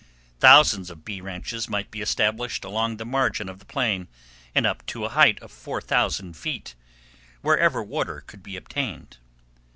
Thousands of bee ranches might be established along the margin of the plain, and up to a height of 4000 feet, wherever water could be obtained.